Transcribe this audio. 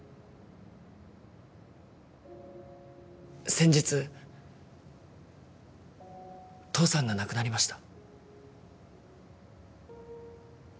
先日父さんが亡くなりました